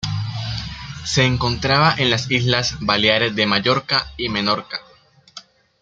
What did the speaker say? Se encontraba en las Islas Baleares de Mallorca y Menorca.